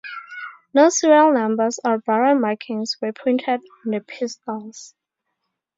No serial numbers or barrel markings were printed on the pistols.